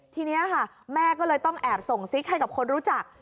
ทีนี้ค่ะแม่ก็เลยต้องแอบส่งซิกให้กับคนรู้จัก